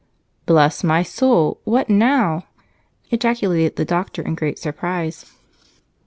"Bless my soul! What now?" ejaculated the doctor in great surprise.